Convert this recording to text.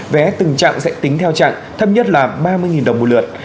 vé từng trạng sẽ tính theo trạng thấp nhất là ba mươi đồng một lượt